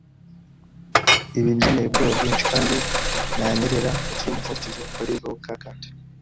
Ibi byanteye ubwoba bwinshi, kandi nanyerera munsi yumupfundikizo wa live-oak kandi